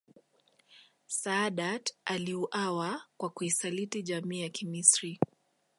Saadat aliuawa kwa kuisaliti jamii ya Kimisri